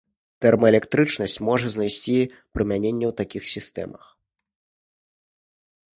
Тэрмаэлектрычнасць можа знайсці прымяненне ў такіх сістэмах.